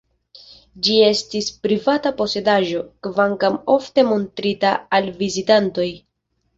Ĝi estis privata posedaĵo, kvankam ofte montrita al vizitantoj.